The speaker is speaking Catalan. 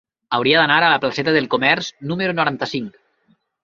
Hauria d'anar a la placeta del Comerç número noranta-cinc.